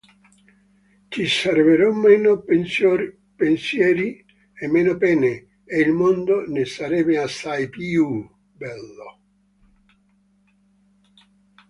ci sarebbero meno pensieri e meno pene, e il mondo ne sarebbe assai più bello